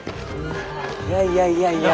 いやいやいやいや。